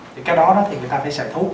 thì cái đó thì người ta phải xài thuốc